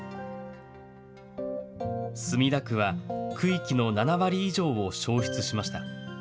墨田区は区域の７割以上を焼失しました。